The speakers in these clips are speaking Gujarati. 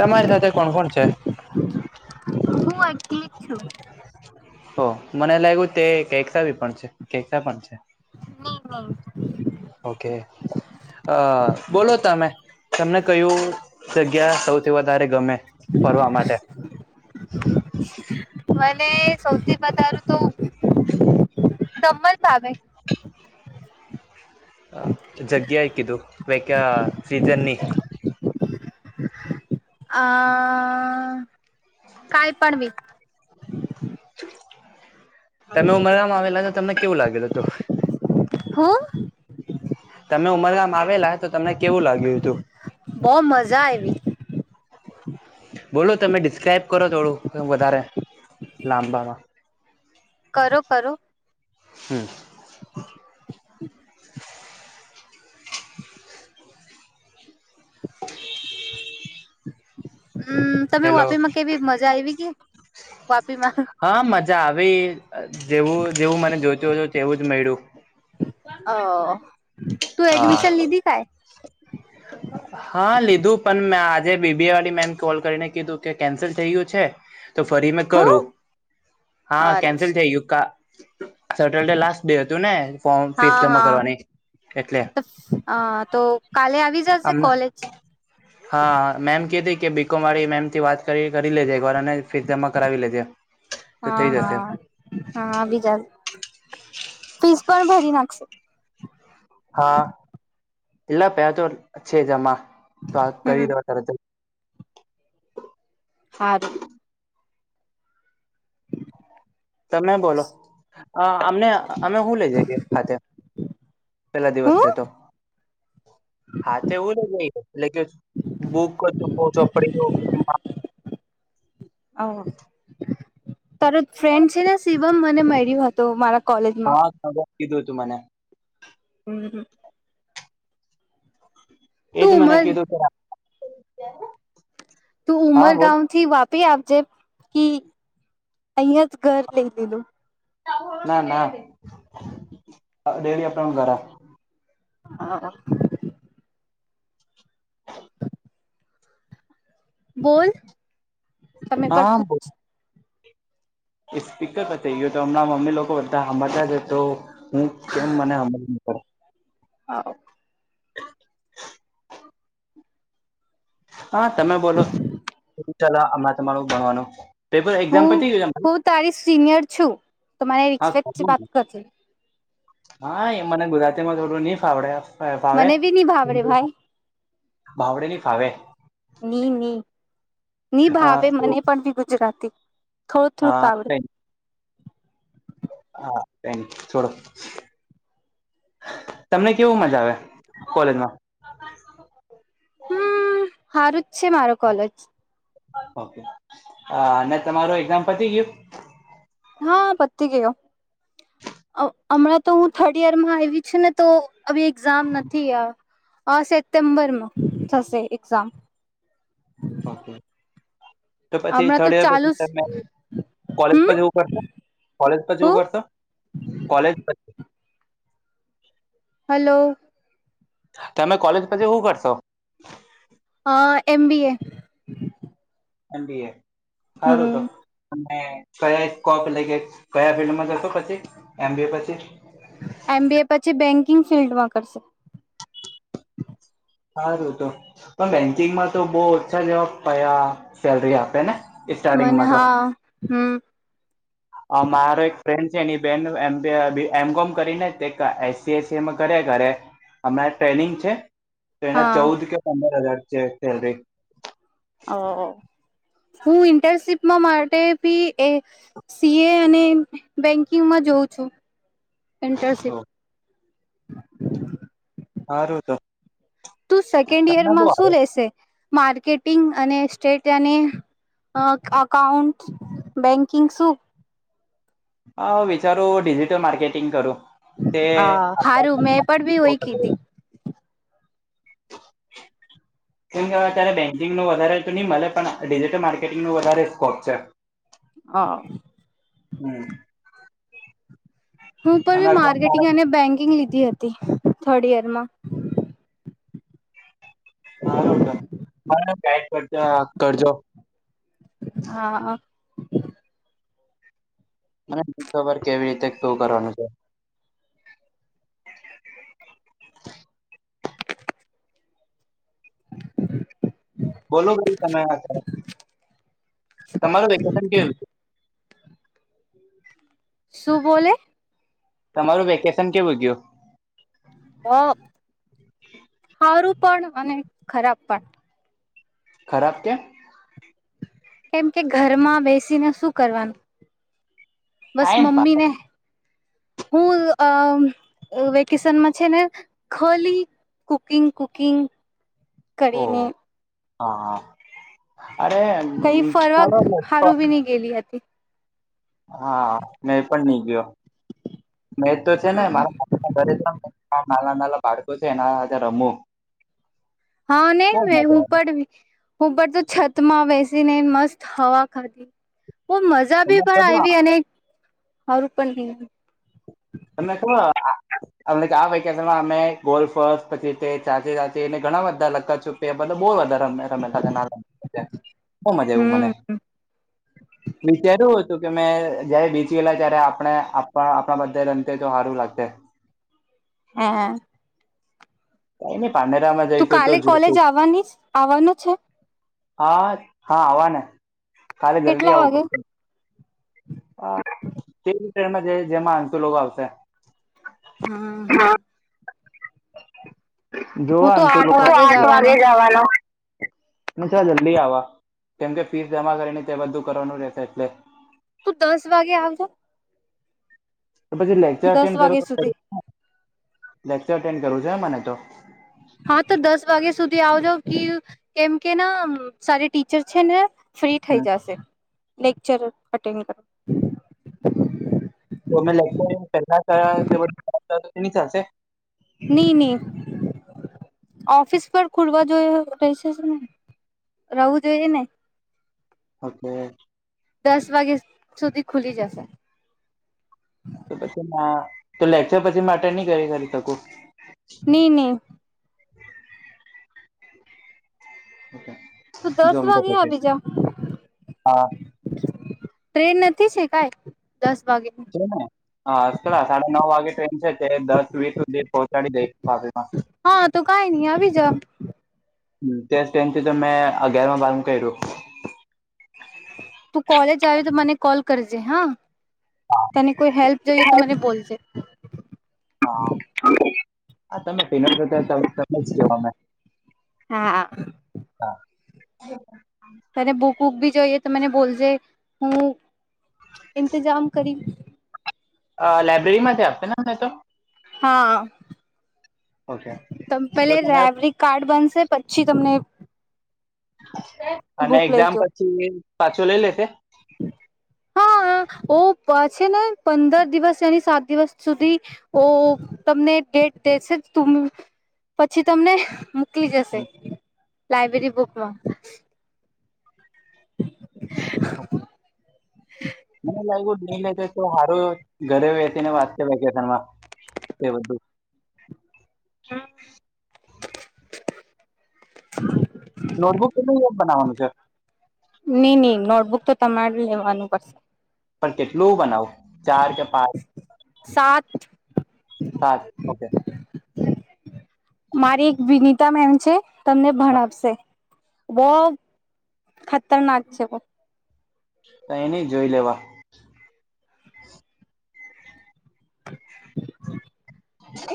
તમારી સાથે કોણ કોણ છે, હું એક ઓ મને લાયગુ તે કેસા ભી પણ છે, કેસા પણ છે. હ ના [inaudible] [inaudible] ઓકે અ બોલો તમે તમને કયું છે. ક્યાં સૌથી વધારે ગમે. ફરવા માટે મને સૌથી વધારું તો ખમણ ભાવે. હા જગ્યા કીધું આ સીઝનની. અ કઈ પણનવી. [inaudible] તમે ઉમરવામાં આવેલા. તમને કેવું લાગેલ હત. હું તમે ઉમરગામ આવેલા. તો તમને કેવું લાગ્યું હતું. બો મજા આયવી બોલો તમે ડિસ્ક્રાઈબ કરો થોડું વધારે. લાંબાબ. કરો કરો હમ. [unintelligible] હ. હમ તમે હેલો વાપીમાં કેવી મજા આવી કે. વા. ીમાં. જ ભ. જેવું જેવું મને જોઈતો હો હત. તેવું જ મેળું. અ તું હા એડમિશન લીધી કાય હા લીધું. કધું પણ મેં આજે બીબી વાળડી મેમ કોલ કરીને કીધું કે કેન્સલ થઈ ગયું છે. તો ફરી મેં હું કરો. હા કેન્સલ અચ્છા છે યુગ કા. હ [unintelligible] સેટરડે લાસ્ટ ડે હતું ને ફોમ ફીસ હા જમા હા કરવાની એટલે તો અ તો કાલે આવી જશે આમ કોલેજ હા મેમ કતી. કે બીિકુમારી મેમ થી વાત કરી લેજે. દ્વારા ને ફીસ જમા કરાવી લેધે. હા હા હા બીજ. ફીસ પણ ભરી નાખશે. હા એટલા પે તો છે જમા. તો આ કરી હમ દેવા તાર. હારું. તમે બોલો. હા. અમને અમે હું લઇ જઈએ ખાતે. પેલા દિવસ છે તો. હું હા તો એવું ન જઈ એટલે કે બૂકું ચો પડી [inaudible] તાર ફ્રેન્ડ છે ને શિવમ મેર્યું હતો મારા કોલેજમાં [inaudible] કીધું હતું મને [inaudible] એજ તું મને ઉમર કીધું છે [inaudible] તું ઉમરગાામથી વાપ ી આપજે અહં જ ઘર લઈ લીધું ના ના ડેલી આપણા ઘર [inaudible] બોલ. તમે પર કછ એ સ્પીર ગયયો તો હમણાં મમ્મી લોકો બધા સાંભજ્યા જ તો હું કેમ મને અમલ ન કર [inaudible] [inaudible] હા તમે બોલો હણા તમાર ભણવાનું પેપર એક્ઝામ હું પતી ગયું તમારું હું તારી સિનિયર છું તમારે હા રિસ્પેક ખરું વાત ને. કર હા એ મને ગુજરાતીમાં થોડું નહી ફાવડે મને બી નહી ભાવડે ભાઈ. ભાવડેલી ફાવે. નીની હા ભાવે તો મને પણ બી ગુજરાત. [inaudible] થોડું થોડુંક હા આવડ. કઈ હા ક ન છોડો તમને કેવું મજા આવે કોલેજમાં. હમ હારું જ છે મારો કોલેજ. ઓકે અને તમારું એક્ઝામ પતી ગયું. હા પતી ગયો હમણાં તો હું થર્ડ યરમાં આવી છ ને તો એક્ઝામ નથી સેપ્ટેમ્બરમાં થશે એક્ઝામ. [inaudible] તો પછી હમણાં તો થર્ડ યર ચાલુ પછી તમે કોલેછ હમ એવું કરશો કોલેજ પછ એવું હું કરશો કોલેજ પછ [inaudible] હલો. તમે કોલેજ પછી શું કરશો. એમ બી એ. અનપે. ખારું તો. કયાકોપ લલે કે કયા ફિલ્ડમાં જશ પછી એમબી પછી. એમબીએ પછી બેંકિંગ ફિલ્ડમાં કરશે. સારું તો પણ બેંકિંગમાં તો બહ ઓછા જવાબ પયા સેલરી આપે ને. મને સ્ટાર્ટિંગમાં તો. હા. મારો એક ફ્રેન્ડ છે એની બેન એમ કોમ કરીને એસસી એસી કરે ઘરે અમણા ટ્રેનિંગ છે. તો એના ચૌદ હા કે પંદર હજાર. લ [unintelligible] ઓ હું ઇન્ટરનશિપ. માટે પી એ સી એ અને બેન્કિંગમાં જોઉં છું. ઇન્ટરનશીપ. હાારું તો. તું સેકન્ડ ઈયર તમને બો માં શું લેશે. માર્કેટિંગ અને સેટને અકાઉન્ટ બેંકિંગ શું. હા વિચારું ડિજિટલ માર્કેટિંગ કરું. તે હ સારું મેં પણ ભી હોય કીધી. કેમ કેવાય અત્યારે બેંકિંગ ન વધારે તો નહી મળે પણ ડિજિટલ માર્કેટિંગ ન વધારે સ્કોપ છે. હ [unintelligible] હમ. હું પણ અને બી કોણ માર્કેટિંગ અને બેન્કિંગ લીધી હતી. થર્ડ યરમાં. હ રોટ કરજ કરજો. હા. મબર કેવી રીતે શું કરવાનું છે. હ [unintelligible] બોલો કઈ સમય આ ત. તમારે વેકેશન કેવું છે. શુંબોલે. તમારું વેકેશન કેવું ગયું. હ. સારું પણ અને. ખરાબ પણઠ. ખરાબ ક્યા. કેમ કે ઘરમાં બેસીને શું કરવાનું. બસ ટાઈમ પાસ મ્મીને. હું વેકેશનમાં છે ને ખાલી કુકિંગ કુકિંગ. કરીને હા-હા. કઈ ફરક હારું બી નહી ગેલી હતી. હા મેં પણ નહી ગયા મેં તો છે ને હમ મારા [unintelligible] નાના નાના બાળકો છે એના સાથે રમો હા નહી હું ઉપર ઉપર તો છતમાં બેસી સીને મસ્ત હવા ખાધી. ખૂબ મજા તમે બી પણ ખબર આવી અને સારું પણ થઈ ગયું. તમે ખબર આ વેકેશનમાં અમે ગોલ્ફ પછી ચાચી ચાચીને ઘણા બધા લખત છુપી બહુ બધા રમતા હતા. બહુ મજા આવું મને હમ [inaudible] વિચાર્યું કે મેં જયારે બીજી ગયેલા ત્યારે આપણે આપણા બધા તે તો સારું લાગશે. [unintelligible] કઈ નઈ પારનેરામાં તું જઈશું તો કાલે કોલેજ જોશું આવવાની આવવાનું છે. હા હા આવાના. કાલે જલ્દી કેટલા આવું વાગે? પડશે. હ તે રીતેમાં જે જેમાં અંતુ લોકો આવશે. હા. હું જોવા તો આઠ જવાનો વાગે જવાના. પૂજા જલ્દી આવાનુ કેમ કે ફીસ જમા કરીને તે બધું કરવાનું રહેેશે એટલે. તું દસ વાગે આવજો. પછી લેક્ચર દસ અટેન્ડ કર વાગે પડે સુધી લેક્ચર અટેન્ડ કરવું છે મને તો. હા તો દસ વાગે સુધી તે આવજો કેમ કે ના સારી ટીચર છે ને ફ્રી થઈ હમ. જાશે. લેક્ચર અટેન્ડ કર તો અમે લેક્ચર પહેલા કર્યા તે બધું તો કરાવતા ચટણી ચાલસે. નઈ નઈ ઓફિસ પર ખુલવા જો રહેશેને રહુ જોઈએ ને ઓકે. દસ વાગ્યા સુધી ખુલી જશે. તો પછી લેક્ચર પછી અટેન્ટ નહી કરી કરી શકું. ની-ની. તો દસ જોમ વાગે આ છે બીજા આ ટ્રેન નથી છે કાઈ દસ વાગે ને હલા સાડા નવ વાગે છે દસ વીસ સુધી પહોચાડી દે હા તો કઈ નહી આવી જા. થી તો મેં અગિયારમાં બારમું કર્યું તું કોલેજ આવી તો મને કોલ કરજે હા તને કોઈ હેલ્પ જોઈએ તો મને બોલજે હા. હા તમે પનાતા તમે કે અમે હા હા હ. તને બુક વુક ભી જોઈએ તો મને બોલજે હું ઇંતજામ કરી અ લાઈબ્રેરી માંથી આપશે ને મેને તો હા. ઓકે તમ પેલે તો તમે રેવરી કાર્ડ બનશે પછી તમને અને બુક એક્ઝામ લઈજો. પછી પાછો લઈ લેશે. હા ઓ છે ને પંદર દિવસ એની સાત દિવસ સુધી ઓ તમને ડેટ દેશે પછી તમને ટલી જશે લાાઈબ્રેરી બુકમાં [inaudible] મને લાગ્યું ની લે તો હારું ઘરે વહેતી ને વાચસ છે વેકેશનમાં એ બધું હમ. [inaudible] નોટબુક તો ન યાદ બનાવાનું છે. બુક તો તમારે લેવાનું પડશે પણ કેટલું બનાવુ ચાર કે પાંચ સાત. સાર ઓકે. મારી એક વિનીતા બેન છે તમને ભણાવશે બહુ ખતરનાક છે બ તો એની જોઈ લેવા.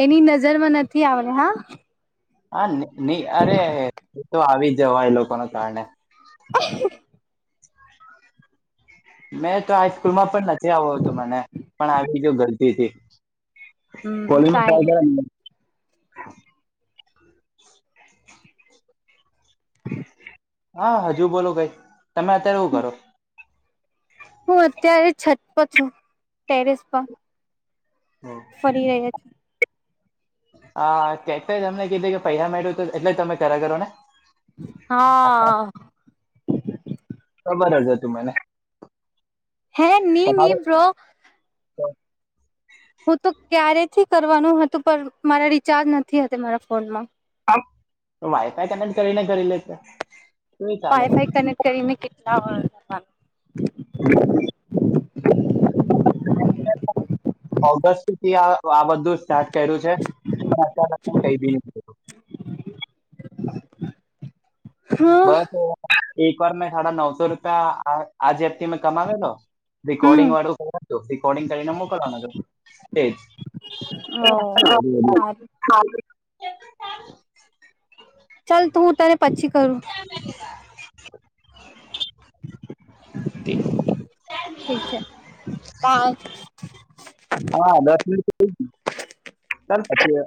એની નજરમાં નથી થી આવેને હા [inaudible] નહી અરે તો આવી જવાય એ લોકો ના કારણે [inaudible] મેં તો હાઈસ્કૂલ માં પણ નથી આવ હતું મને પણ આવી જો ગરદીથી હમ કોલી ક કઈ નહી કર [inaudible] હા હજુ બોલો કઈ તમે અત્યારે એવું કરો. હું અત્યારે છત પર છું ટેરેસ પર. ફરી રહ્યા છે હા કે તમને કીધે કે પૈસા મેટ્યું તો એટલે તમે ખરા કરો ને. [inaudible] ખબર હશે તું મને. હે નિ નિ તમારું બ્રો હું તો ક્યારેથી કરવાનું હતું પણ મારા રિચાર્જ નથી મારા ફોનમાં. વાયફાઈ કનેક્ટ કરીને કરી લેતે. પાયફાઈ કનેક્ટ કરી કેટલા હો ઓગસ્ટથી આ બધું સ્ટાર્ટ કર્યું છે પણ અત્યારે કી હ બસ એક વાર મેં સાડા નવસો રૂપિયા આ ઝેપથી મેં કમાવેલો હમ રિકર્ડિંગ વાળું કર છું રિકર્ડિંગ કરીને મોકલવાનું એજા. હો હારું ચાલ ત હું ત્યારે પછી કરો. [inaudible] મ ઠીક છે. હા દસ મિનિટ ચાલ પછી